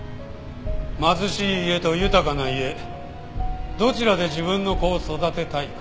貧しい家と豊かな家どちらで自分の子を育てたいか。